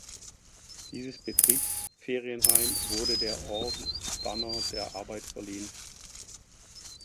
Dieses Betriebsferienheim wurde der Orden Banner der Arbeit verliehen.